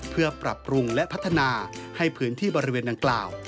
เพื่อปรับปรุงและพัฒนาให้พื้นที่บริเวณดังกล่าว